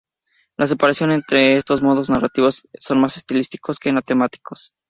La separación entre estos modos narrativos son más estilísticas que temáticas.